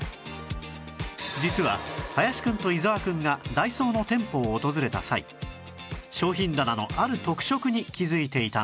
実は林くんと伊沢くんがダイソーの店舗を訪れた際商品棚のある特色に気づいていたんです